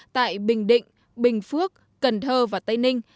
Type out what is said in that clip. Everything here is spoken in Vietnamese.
tại bình định bình phước cần thơ và tây ninh